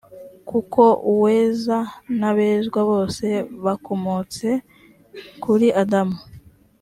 kuko uweza n’abezwa bose bakomotse kuri adamu